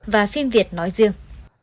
và phim việt nói dương